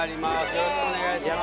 よろしくお願いします。